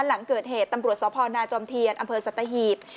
หลังเกิดเหตุตำรวจสพนาจอมเทียนอำเภอสัตหีบ